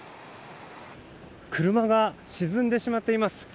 車が沈んでしまっています。